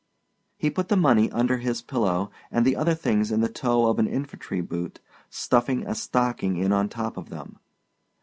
He put the money under his pillow and the other things in the toe of an infantry boot, stuffing a stocking in on top of them.